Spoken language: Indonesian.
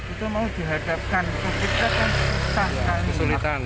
itu mau dihadapkan itu kita kan susah sekali